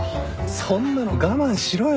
そんなの我慢しろよ。